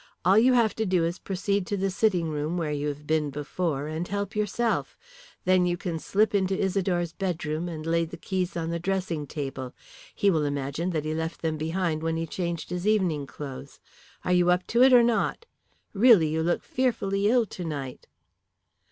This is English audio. All you have to do is to proceed to the sitting room where you have been before and help yourself. Then you can slip into Isidore's bedroom and lay the keys on the dressing table. He will imagine that he left them behind when he changed his evening clothes. Are you up to it or not? Really, you look fearfully ill tonight."